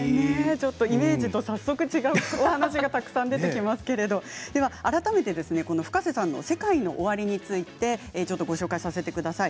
イメージと早速違うお話がたくさん出てきますけど改めてＦｕｋａｓｅさんのＳＥＫＡＩＮＯＯＷＡＲＩについてご紹介させてください。